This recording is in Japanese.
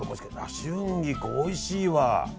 春菊、おいしいわ！